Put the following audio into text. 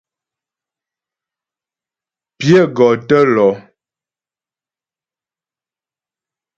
Pyə gɔ tə́ lɔ.